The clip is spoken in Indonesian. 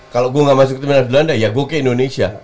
kalau gue nggak masuk timnas belanda ya gue ke indonesia